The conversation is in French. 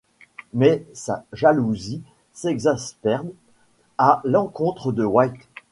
Mais, sa jalousie s'exacerbe à l'encontre de White.